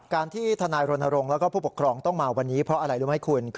ที่ทนายรณรงค์แล้วก็ผู้ปกครองต้องมาวันนี้เพราะอะไรรู้ไหมคุณ